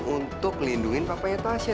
untuk melindungi papanya tasya